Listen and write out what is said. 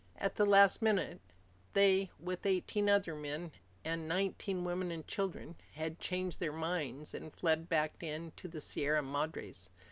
At the last minute they, with eighteen other men and nineteen women and children, had changed their minds and fled back into the Sierra Madres.